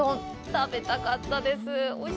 食べたかったです。